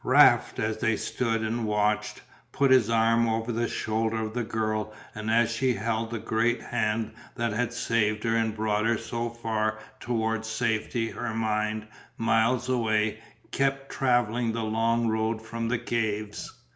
Raft, as they stood and watched, put his arm over the shoulder of the girl and as she held the great hand that had saved her and brought her so far towards safety her mind, miles away, kept travelling the long road from the caves.